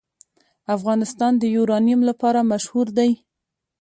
افغانستان د یورانیم لپاره مشهور دی.